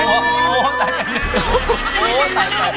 โอ้ตายตาย